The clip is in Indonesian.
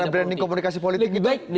branding komunikasi politik itu jelek ya